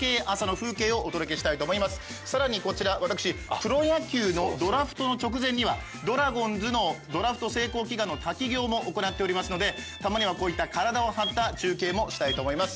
プロ野球のドラフトの直前にはドラゴンズのドラフト成功祈願の滝行も行っておりますのでたまにはこういった体を張った中継もしたいと思います